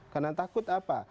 karena takut apa